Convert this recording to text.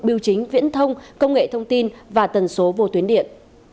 biểu chính viễn thông công nghệ thông tin và tần số vô tuyến điện